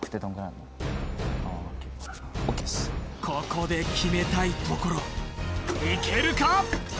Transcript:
ここで決めたいところいけるか？